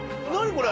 これ。